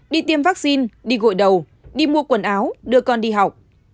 đi tiêm vaccine đi gội đầu đi mua quần áo đưa con đi học